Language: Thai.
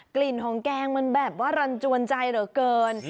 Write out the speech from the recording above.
กลิ่นของแกงมันแบบว่ารันจวนใจเหลือเกิน